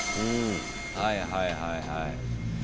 はいはいはいはい。